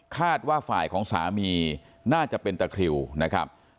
คาดว่าฝ่ายของสามีน่าจะเป็นตะคริวนะครับ